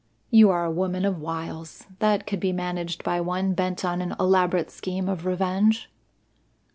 "You are a woman of wiles. That could be managed by one bent on an elaborate scheme of revenge."